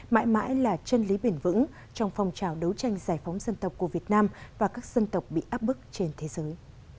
mãi mãi là chân lý bền vững trong phong trào đấu tranh giải phóng dân tộc của việt nam và các dân tộc bị áp bức trên thế giới